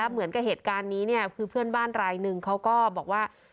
เหมือนกับเหตุการณ์นี้คือเพื่อนบ้านรายหนึ่งเขาก็บอกว่า